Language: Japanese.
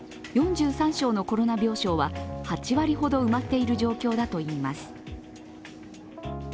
４３床のコロナ病床は８割ほど埋まっている状況だといいます。